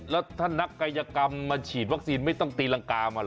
แล้วถ้านักกายกรรมมาฉีดวัคซีนไม่ต้องตีรังกามาเห